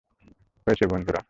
হয়েছে, বন্ধুরা!